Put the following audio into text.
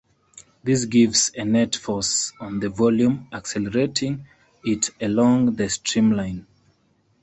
This gives a net force on the volume, accelerating it along the streamline.